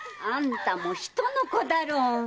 あんたも人の子だろう。